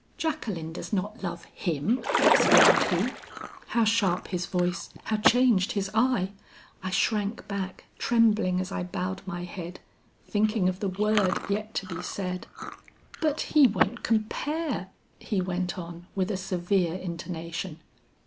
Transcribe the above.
'Jacqueline does not love him!' exclaimed he. How sharp his voice, how changed his eye! I shrank back, trembling as I bowed my head, thinking of the word yet to be said. "'But he won't compare ' he went on with a severe intonation.